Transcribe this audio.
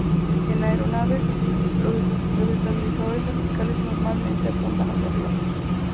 En aeronaves, los estabilizadores verticales normalmente apuntan hacia arriba.